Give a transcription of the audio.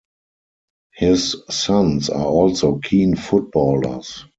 His sons are also keen footballers.